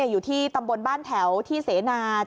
อยู่ที่ตำบลบ้านแถวที่เสนา